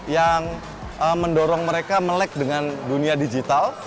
yang mendorong mereka melek dengan dunia digital